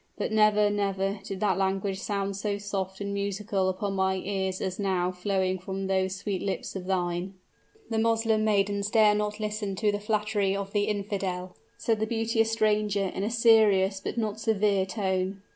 But never, never did that language sound so soft and musical upon my ears as now, flowing from those sweet lips of thine." "The Moslem maiden dares not listen to the flattery of the infidel," said the beauteous stranger in a serious but not severe tone.